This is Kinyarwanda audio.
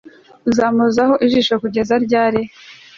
uzampozaho ijisho kugeza ryari